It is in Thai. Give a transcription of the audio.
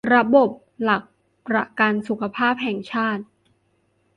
ระบบหลักประกันสุขภาพแห่งชาติ